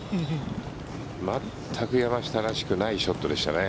全く山下らしくないショットでしたね。